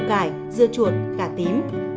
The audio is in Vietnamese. cải dưa chuột cà tím